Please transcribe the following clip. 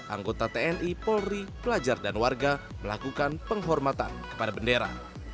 anggota tni polri pelajar dan warga melakukan penghormatan kepada bendera